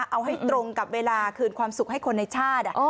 เอาให้ตรงกับเวลาคืนความสุขให้คนในชาติ